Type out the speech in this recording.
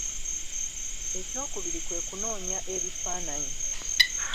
Ekyokubiri kwe kunoonya ebifaananyi.